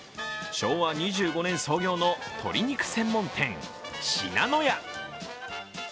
昭和２５年創業の鶏肉専門店信濃屋。